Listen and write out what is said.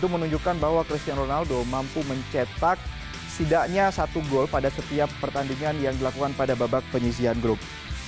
menunjukkan bahwa cristiano ronaldo mampu mencetak setidaknya satu gol pada setiap pertandingan yang dilakukan pada babak penyisian grup